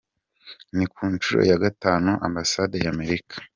Ni ku nshuro ya gatanu, Ambasade ya Amerika.